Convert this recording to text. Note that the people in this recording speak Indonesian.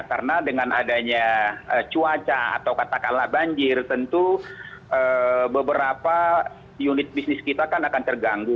karena dengan adanya cuaca atau katakanlah banjir tentu beberapa unit bisnis kita akan terganggu